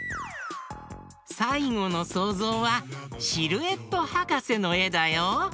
さいごのそうぞうはシルエットはかせのえだよ。